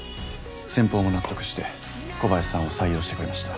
先方も納得して小林さんを採用してくれました。